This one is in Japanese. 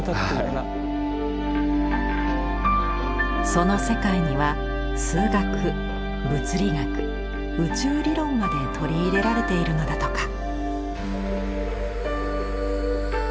その世界には数学物理学宇宙理論まで取り入れられているのだとか。